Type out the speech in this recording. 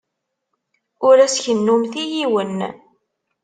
Ur as-kennumt i yiwen.